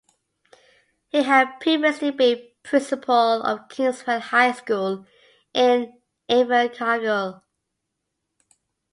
He had previously been principal of Kingswell High School in Invercargill.